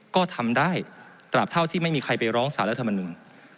ก็ทำได้ตราบเท่าที่ไม่มีใครไปร้องสารรัฐมนุน